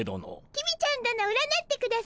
公ちゃん殿占ってくだされ。